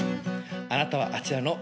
あなたはあちらのＢＭＷ。